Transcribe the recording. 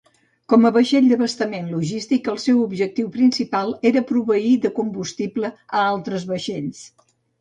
Com a vaixell d'abastament logístic, el seu objectiu principal era proveir de combustible a altres vaixells.